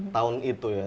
tahun itu ya